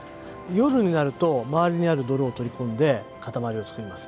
夜になると周りにある泥を取り込んで塊を作ります。